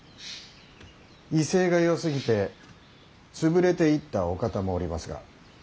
威勢がよすぎて潰れていったお方もおりますが。